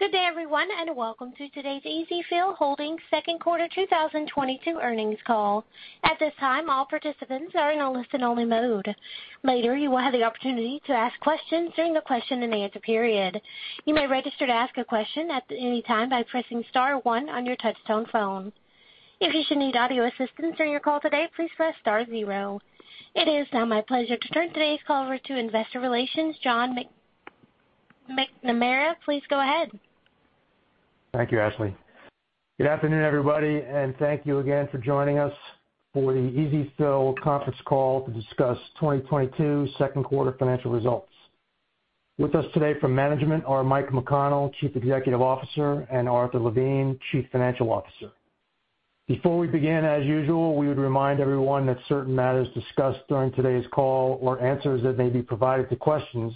Good day, everyone, and welcome to today's EzFill Holdings, Inc. Q2 2022 earnings call. At this time, all participants are in a listen-only mode. Later, you will have the opportunity to ask questions during the question-and-answer period. You may register to ask a question at any time by pressing star one on your touchtone phone. If you should need audio assistance during your call today, please press star zero. It is now my pleasure to turn today's call over to investor relations, John McNamara. Please go ahead. Thank you, Ashley. Good afternoon, everybody, and thank you again for joining us for the EzFill conference call to discuss 2022 Q2 financial results. With us today from management are Mike McConnell, Chief Executive Officer, and Arthur Levine, Chief Financial Officer. Before we begin, as usual, we would remind everyone that certain matters discussed during today's call or answers that may be provided to questions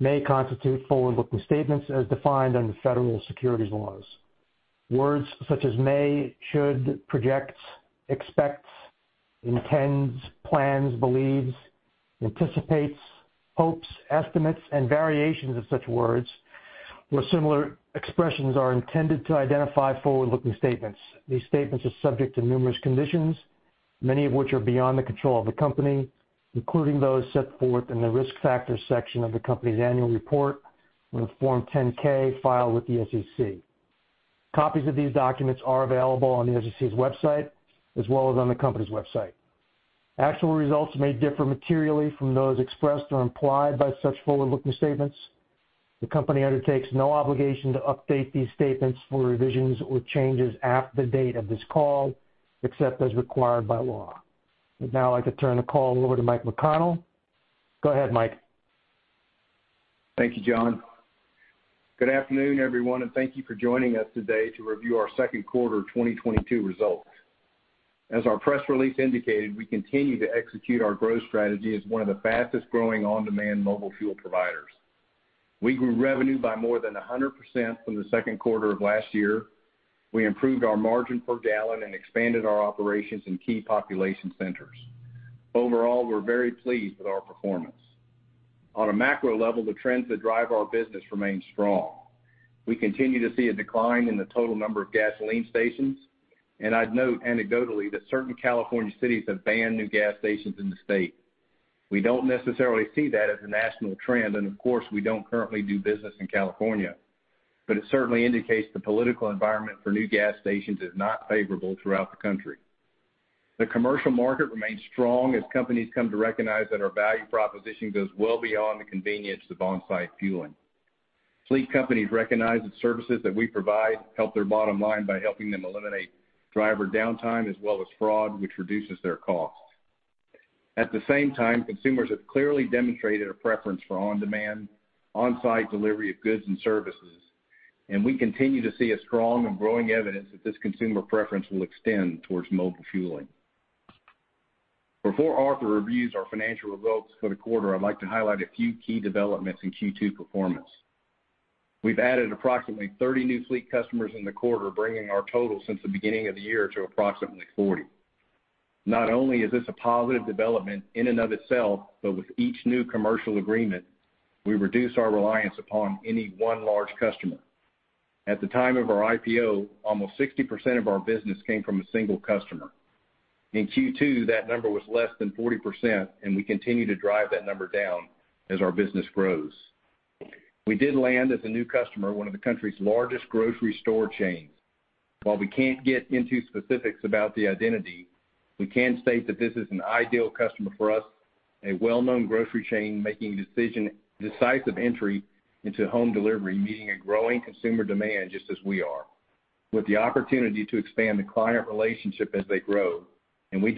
may constitute forward-looking statements as defined under federal securities laws. Words such as may, should, projects, expects, intends, plans, believes, anticipates, hopes, estimates, and variations of such words or similar expressions are intended to identify forward-looking statements. These statements are subject to numerous conditions, many of which are beyond the control of the company, including those set forth in the Risk Factors section of the company's annual report on Form 10-K filed with the SEC. Copies of these documents are available on the SEC's website as well as on the company's website. Actual results may differ materially from those expressed or implied by such forward-looking statements. The company undertakes no obligation to update these statements for revisions or changes after the date of this call, except as required by law. I'd now like to turn the call over to Mike McConnell. Go ahead, Mike. Thank you, John. Good afternoon, everyone, and thank you for joining us today to review our Q2 2022 results. As our press release indicated, we continue to execute our growth strategy as one of the fastest-growing on-demand mobile fuel providers. We grew revenue by more than 100% from the Q2 of last year. We improved our margin per gallon and expanded our operations in key population centers. Overall, we're very pleased with our performance. On a macro level, the trends that drive our business remain strong. We continue to see a decline in the total number of gasoline stations, and I'd note anecdotally that certain California cities have banned new gas stations in the state. We don't necessarily see that as a national trend, and of course, we don't currently do business in California, but it certainly indicates the political environment for new gas stations is not favorable throughout the country. The commercial market remains strong as companies come to recognize that our value proposition goes well beyond the convenience of on-site fueling. Fleet companies recognize the services that we provide help their bottom line by helping them eliminate driver downtime as well as fraud, which reduces their costs. At the same time, consumers have clearly demonstrated a preference for on-demand, on-site delivery of goods and services, and we continue to see a strong and growing evidence that this consumer preference will extend towards mobile fueling. Before Arthur reviews our financial results for the quarter, I'd like to highlight a few key developments in Q2 performance. We've added approximately 30 new fleet customers in the quarter, bringing our total since the beginning of the year to approximately 40. Not only is this a positive development in and of itself, but with each new commercial agreement, we reduce our reliance upon any one large customer. At the time of our IPO, almost 60% of our business came from a single customer. In Q2, that number was less than 40%, and we continue to drive that number down as our business grows. We did land a new customer, one of the country's largest grocery store chains. While we can't get into specifics about the identity, we can state that this is an ideal customer for us, a well-known grocery chain making decisive entry into home delivery, meeting a growing consumer demand just as we are, with the opportunity to expand the client relationship as they grow, and we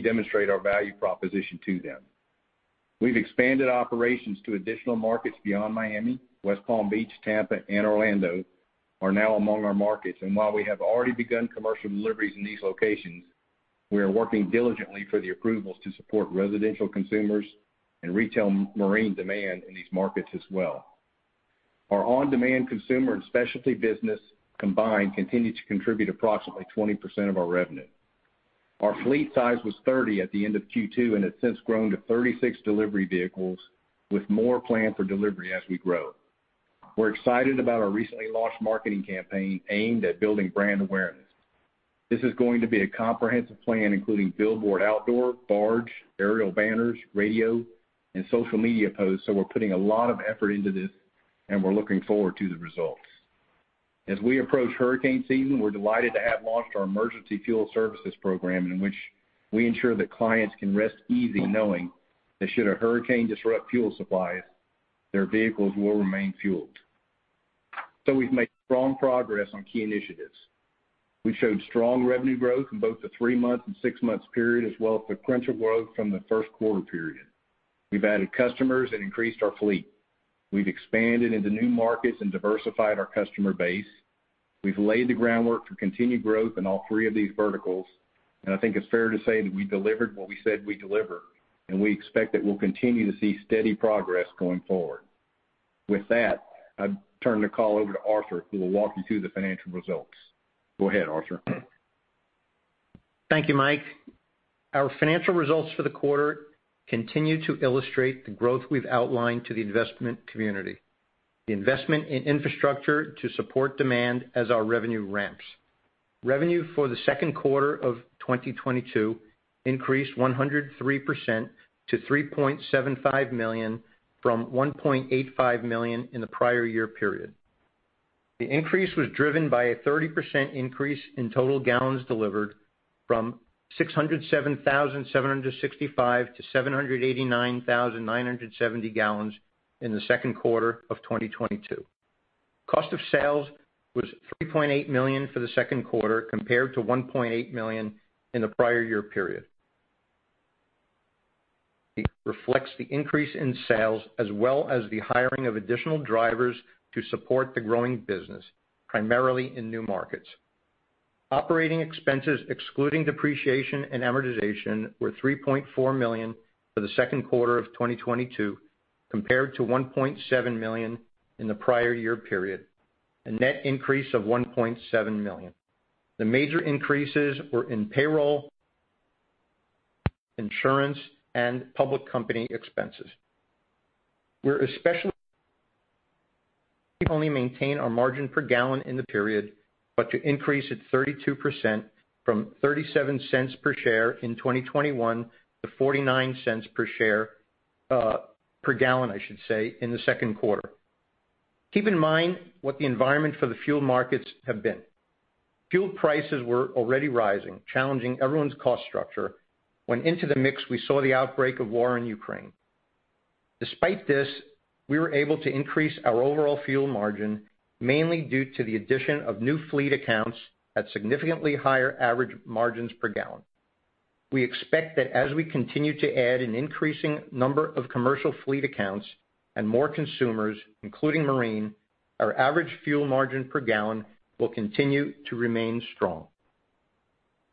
demonstrate our value proposition to them. We've expanded operations to additional markets beyond Miami. West Palm Beach, Tampa, and Orlando are now among our markets. While we have already begun commercial deliveries in these locations, we are working diligently for the approvals to support residential consumers and retail marine demand in these markets as well. Our on-demand consumer and specialty business combined continue to contribute approximately 20% of our revenue. Our fleet size was 30 at the end of Q2, and it's since grown to 36 delivery vehicles with more planned for delivery as we grow. We're excited about our recently launched marketing campaign aimed at building brand awareness. This is going to be a comprehensive plan, including billboard outdoor, barge, aerial banners, radio, and social media posts, so we're putting a lot of effort into this and we're looking forward to the results. As we approach hurricane season, we're delighted to have launched our emergency fuel services program in which we ensure that clients can rest easy knowing that should a hurricane disrupt fuel supplies, their vehicles will remain fueled. We've made strong progress on key initiatives. We showed strong revenue growth in both the three month and six month period, as well as sequential growth from the Q1 period. We've added customers and increased our fleet. We've expanded into new markets and diversified our customer base. We've laid the groundwork for continued growth in all three of these verticals, and I think it's fair to say that we delivered what we said we'd deliver, and we expect that we'll continue to see steady progress going forward. With that, I turn the call over to Arthur, who will walk you through the financial results. Go ahead, Arthur. Thank you, Mike. Our financial results for the quarter continue to illustrate the growth we've outlined to the investment community, the investment in infrastructure to support demand as our revenue ramps. Revenue for the Q2 of 2022 increased 103% to $3.75 million from $1.85 million in the prior year period. The increase was driven by a 30% increase in total gallons delivered from 607,765 to 789,970 gallons in the Q2 of 2022. Cost of sales was $3.8 million for the Q2 compared to $1.8 million in the prior year period. It reflects the increase in sales as well as the hiring of additional drivers to support the growing business, primarily in new markets. Operating expenses excluding depreciation and amortization were $3.4 million for the Q2 of 2022 compared to $1.7 million in the prior year period, a net increase of $1.7 million. The major increases were in payroll, insurance, and public company expenses. We were not only able to maintain our margin per gallon in the period, but to increase it 32% from $0.37 per gallon in 2021 to $0.49 per gallon in the Q2. Keep in mind what the environment for the fuel markets have been. Fuel prices were already rising, challenging everyone's cost structure, when, into the mix, we saw the outbreak of war in Ukraine. Despite this, we were able to increase our overall fuel margin, mainly due to the addition of new fleet accounts at significantly higher average margins per gallon. We expect that as we continue to add an increasing number of commercial fleet accounts and more consumers, including marine, our average fuel margin per gallon will continue to remain strong.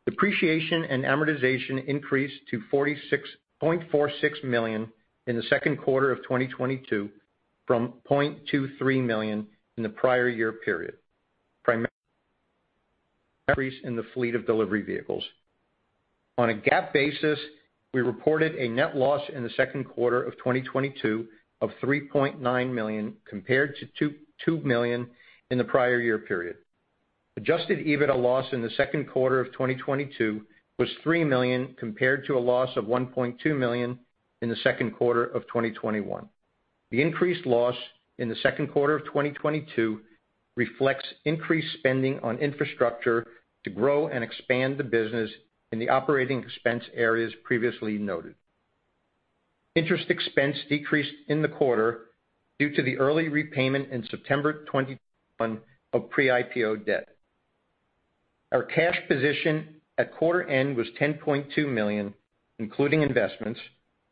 Depreciation and amortization increased to $46.46 million in the Q2 of 2022 from $0.23 million in the prior year period, primarily in the fleet of delivery vehicles. On a GAAP basis, we reported a net loss in the Q2 of 2022 of $3.9 million compared to $2.2 million in the prior year period. Adjusted EBITDA loss in the Q2 of 2022 was $3 million compared to a loss of $1.2 million in the Q2 of 2021. The increased loss in the Q2 of 2022 reflects increased spending on infrastructure to grow and expand the business in the operating expense areas previously noted. Interest expense decreased in the quarter due to the early repayment in September 2021 of pre-IPO debt. Our cash position at quarter end was $10.2 million, including investments,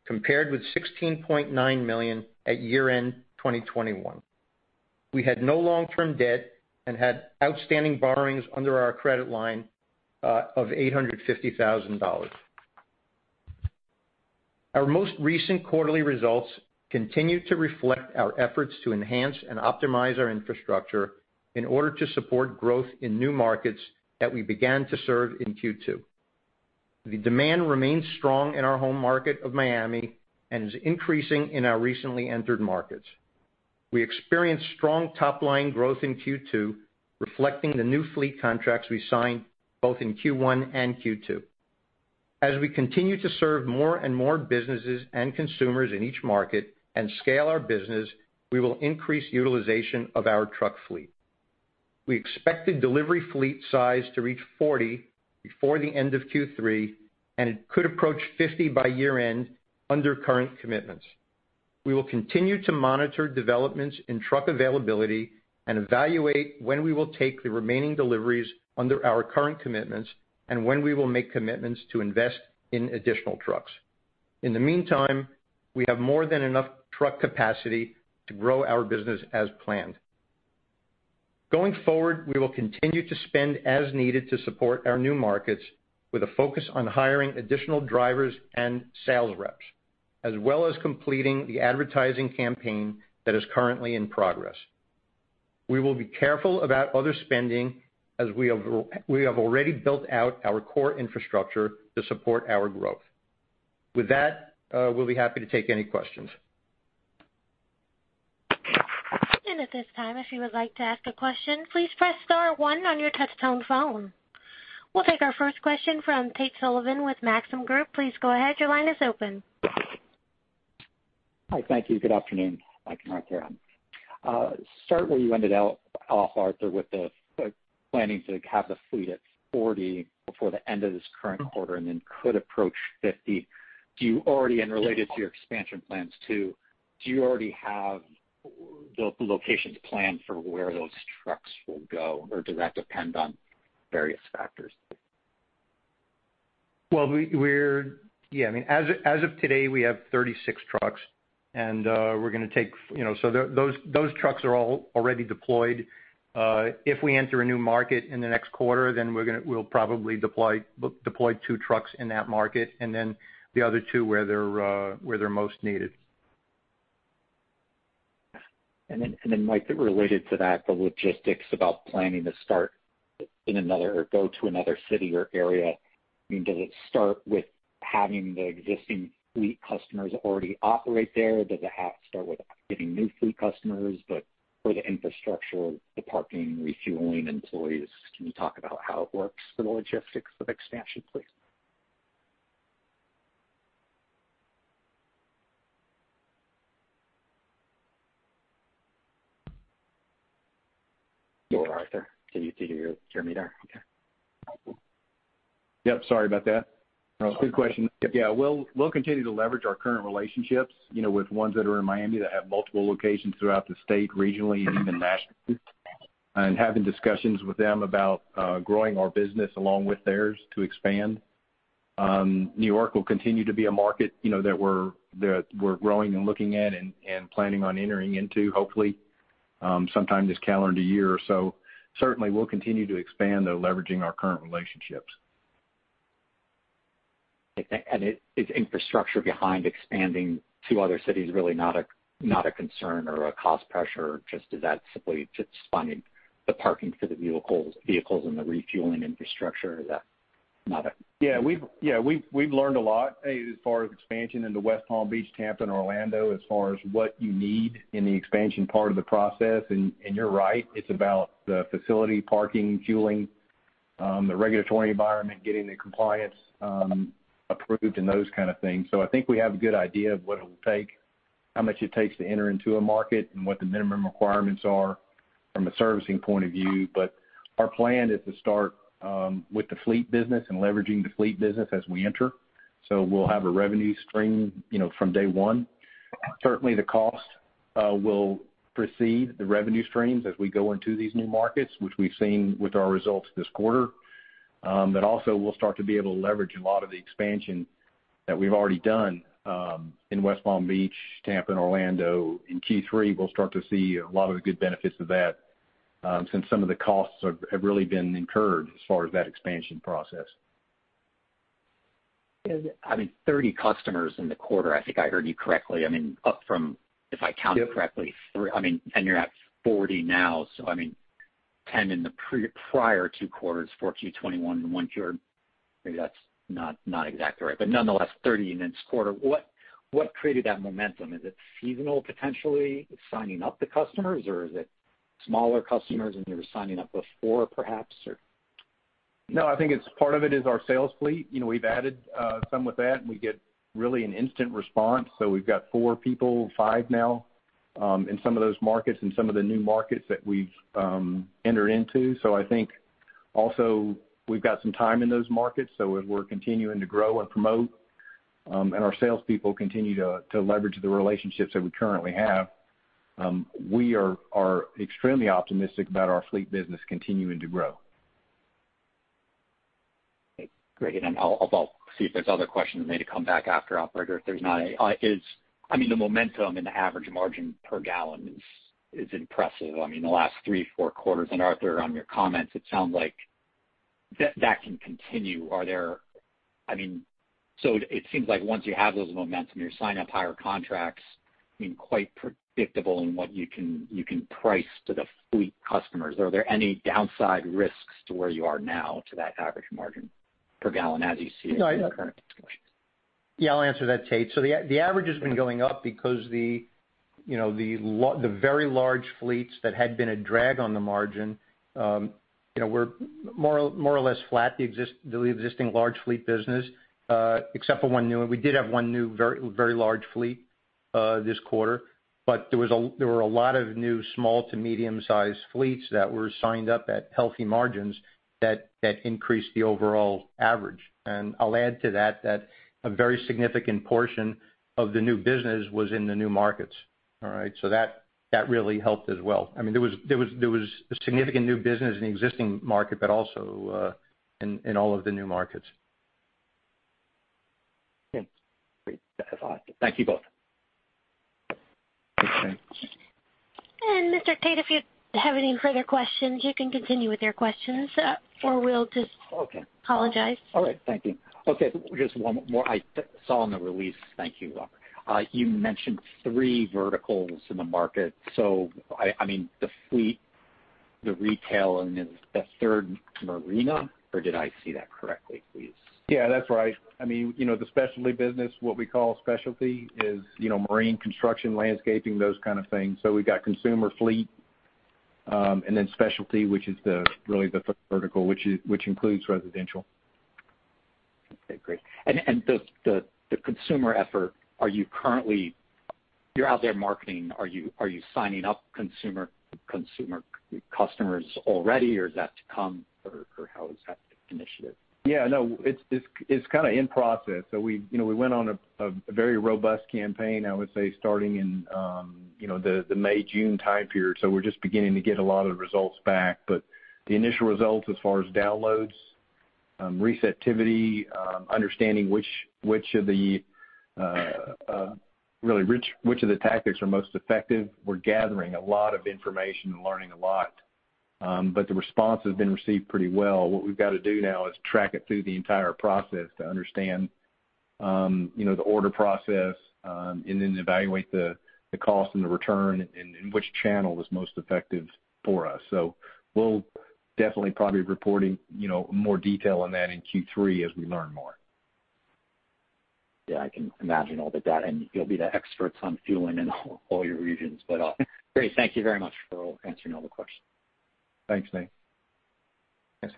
compared with $16.9 million at year-end 2021. We had no long-term debt and had outstanding borrowings under our credit line of $850,000. Our most recent quarterly results continue to reflect our efforts to enhance and optimize our infrastructure in order to support growth in new markets that we began to serve in Q2. The demand remains strong in our home market of Miami and is increasing in our recently entered markets. We experienced strong top-line growth in Q2, reflecting the new fleet contracts we signed both in Q1 and Q2. As we continue to serve more and more businesses and consumers in each market and scale our business, we will increase utilization of our truck fleet. We expect the delivery fleet size to reach 40 before the end of Q3, and it could approach 50 by year-end under current commitments. We will continue to monitor developments in truck availability and evaluate when we will take the remaining deliveries under our current commitments and when we will make commitments to invest in additional trucks. In the meantime, we have more than enough truck capacity to grow our business as planned. Going forward, we will continue to spend as needed to support our new markets with a focus on hiring additional drivers and sales reps, as well as completing the advertising campaign that is currently in progress. We will be careful about other spending as we have already built out our core infrastructure to support our growth. With that, we'll be happy to take any questions. At this time, if you would like to ask a question, please press star one on your touch-tone phone. We'll take our first question from Tate Sullivan with Maxim Group. Please go ahead, your line is open. Hi. Thank you. Good afternoon, Mike and Arthur. Certainly, you ended off, Arthur, with the planning to have the fleet at 40 before the end of this current quarter and then could approach 50. Related to your expansion plans too, do you already have the locations planned for where those trucks will go? Or does that depend on various factors? Well, yeah, I mean, as of today, we have 36 trucks, and, you know, those trucks are all already deployed. If we enter a new market in the next quarter, then we'll probably deploy two trucks in that market and then the other two where they're most needed. Mike, related to that, the logistics about planning to start in another or go to another city or area, I mean, does it start with having the existing fleet customers already operate there? Does it have to start with getting new fleet customers, but for the infrastructure, the parking, refueling, employees? Can you talk about how it works for the logistics of expansion, please? Hello, Arthur. Can you hear me there? Okay. Yep, sorry about that. No, good question. Yeah, we'll continue to leverage our current relationships, you know, with ones that are in Miami that have multiple locations throughout the state, regionally, and even nationally, and having discussions with them about growing our business along with theirs to expand. New York will continue to be a market, you know, that we're growing and looking at and planning on entering into hopefully sometime this calendar year. Certainly we'll continue to expand though leveraging our current relationships. Okay. Is infrastructure behind expanding to other cities really not a concern or a cost pressure? Just is that simply just finding the parking for the vehicles and the refueling infrastructure? Is that not a- Yeah, we've learned a lot as far as expansion into West Palm Beach, Tampa, and Orlando as far as what you need in the expansion part of the process. You're right, it's about the facility parking, fueling, the regulatory environment, getting the compliance, approved and those kind of things. I think we have a good idea of what it will take, how much it takes to enter into a market and what the minimum requirements are from a servicing point of view. Our plan is to start with the fleet business and leveraging the fleet business as we enter. We'll have a revenue stream, you know, from day one. Certainly the cost will precede the revenue streams as we go into these new markets, which we've seen with our results this quarter. We'll start to be able to leverage a lot of the expansion that we've already done in West Palm Beach, Tampa, and Orlando. In Q3 we'll start to see a lot of the good benefits of that, since some of the costs have really been incurred as far as that expansion process. I mean, 30 customers in the quarter, I think I heard you correctly. I mean, up from, if I counted correctly. Yep. Three, I mean, and you're at 40 now, so I mean, 10 in the prior two quarters for Q 2021 and Q1. Maybe that's not exactly right. But nonetheless, 30 in this quarter. What created that momentum? Is it seasonal potentially signing up the customers or is it smaller customers than you were signing up before perhaps? Or. No, I think it's part of it is our sales fleet. You know, we've added some with that and we get really an instant response. We've got four people, five now, in some of those markets and some of the new markets that we've entered into. I think also we've got some time in those markets, so as we're continuing to grow and promote and our sales people continue to leverage the relationships that we currently have, we are extremely optimistic about our fleet business continuing to grow. Great. I'll see if there's other questions maybe to come back after, operator, if there's not any. I mean, the momentum in the average margin per gallon is impressive. I mean, the last three, four quarters, and Arthur, on your comments, it sounds like that can continue. I mean, it seems like once you have those momentum, you sign up higher contracts, quite predictable in what you can price to the fleet customers. Are there any downside risks to where you are now to that average margin per gallon as you see it in the current discussions? Yeah, I'll answer that, Tate. So the average has been going up because the, you know, the very large fleets that had been a drag on the margin, you know, we're more or less flat, the existing large fleet business, except for one new one. We did have one new very large fleet this quarter, but there were a lot of new small to medium sized fleets that were signed up at healthy margins that increased the overall average. I'll add to that a very significant portion of the new business was in the new markets. All right. So that really helped as well. I mean, there was significant new business in the existing market, but also in all of the new markets. Yeah. Great. Thank you both. Thanks. Mr. Tate, if you have any further questions, you can continue with your questions, or we'll just- Okay. Apologize. All right. Thank you. Okay, just one more. I saw in the release. Thank you. You mentioned three verticals in the market. I mean, the fleet, the retail, and then the third marina, or did I see that correctly, please? Yeah, that's right. I mean, you know, the specialty business, what we call specialty is, you know, marine construction, landscaping, those kind of things. We've got consumer fleet, and then specialty, which is really the vertical, which includes residential. Okay, great. The consumer effort. You're out there marketing. Are you signing up consumer customers already or is that to come or how is that initiative? Yeah, no, it's kinda in process. You know, we went on a very robust campaign, I would say, starting in you know, the May, June time period. We're just beginning to get a lot of results back. The initial results as far as downloads, receptivity, understanding which of the tactics are most effective, we're gathering a lot of information and learning a lot. The response has been received pretty well. What we've got to do now is track it through the entire process to understand you know, the order process, and then evaluate the cost and the return and which channel is most effective for us. We'll definitely probably be reporting you know, more detail on that in Q3 as we learn more. Yeah. I can imagine all of that, and you'll be the experts on fueling in all your regions. Great. Thank you very much for answering all the questions. Thanks, Tate. Thanks.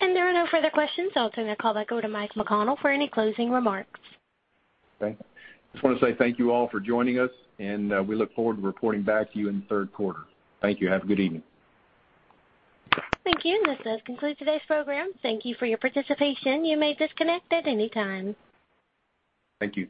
There are no further questions. I'll turn the call back over to Mike McConnell for any closing remarks. Okay. Just wanna say thank you all for joining us, and we look forward to reporting back to you in the Q3. Thank you. Have a good evening. Thank you. This does conclude today's program. Thank you for your participation. You may disconnect at any time. Thank you.